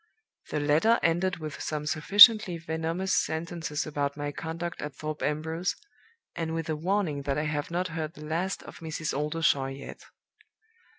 The letter ended with some sufficiently venomous sentences about my conduct at Thorpe Ambrose, and with a warning that I have not heard the last of Mrs. Oldershaw yet.